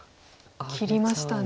切りましたね。